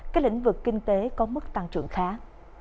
cái lĩnh vực kinh tế có mức tăng trưởng khác